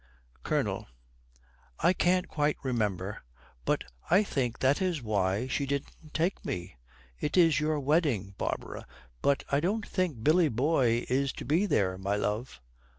COLONEL. 'I can't quite remember, but I think that is why she didn't take me. It is your wedding, Barbara, but I don't think Billy boy is to be there, my love.'